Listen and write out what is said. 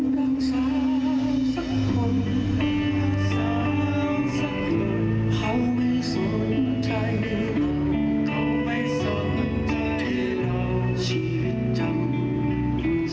ชีวิตจำหรือเซิร์ต